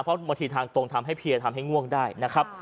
เพราะบางทีทางตรงทำให้เพียร์ทำให้ง่วงได้นะครับ